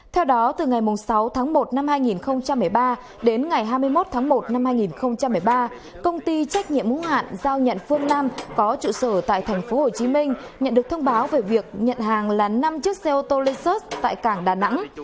theo đó từ ngày sáu tháng một năm hai nghìn một mươi ba đến ngày hai mươi một tháng một năm hai nghìn một mươi ba công ty trách nhiệm hữu hạn giao nhận phương nam có trụ sở tại thành phố hồ chí minh nhận được thông báo về việc nhận hàng là năm chiếc xe ô tô lexus tại cảng đà nẵng